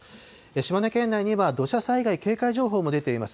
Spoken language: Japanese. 島根県内には土砂災害警戒情報も出ています。